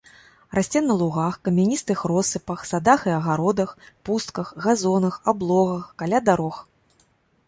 Расце на лугах, камяністых россыпах, садах і агародах, пустках, газонах, аблогах, каля дарог.